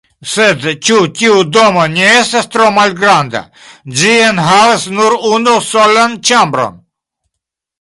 Sed ĉu tiu domo ne estas tro malgranda? Ĝi enhavas nur unu solan ĉambron.